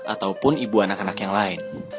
ataupun ibu anak anak yang lain